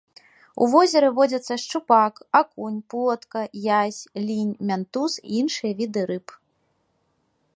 У возеры водзяцца шчупак, акунь, плотка, язь, лінь, мянтуз і іншыя віды рыб.